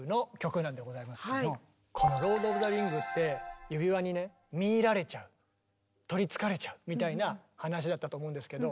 この「ロード・オブ・ザ・リング」って指輪にねみいられちゃう取りつかれちゃうみたいな話だったと思うんですけど。